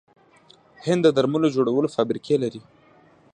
هند د درملو جوړولو فابریکې لري.